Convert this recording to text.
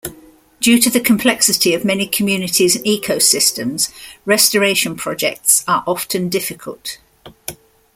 Due to the complexity of many communities and ecosystems, restoration projects are often difficult.